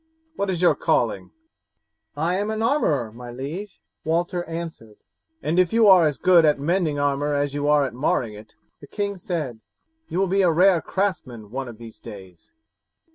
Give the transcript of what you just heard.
What is your calling?" "I am an armourer, my liege," Walter answered. "And you are as good at mending armour as you are at marring it," the king said, "you will be a rare craftsman one of these days.